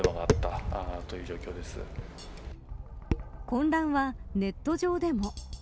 混乱はネット上でも。